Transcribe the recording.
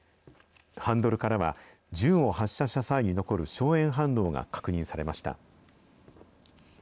ハンドルからは、銃を発射した際に残る硝煙反応が確認されました。